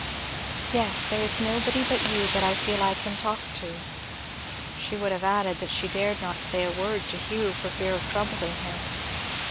"Yes there is nobody but you that I feel I can talk to." She would have added that she dared not say a word to Hugh for fear of troubling him.